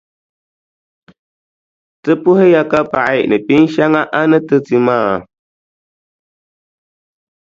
Ti puhiya ka paɣi ni pinʼ shɛŋa a ni ti ti maa.